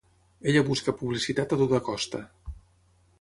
Ella busca publicitat a tota costa.